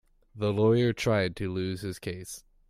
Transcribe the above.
The lawyer tried to lose his case.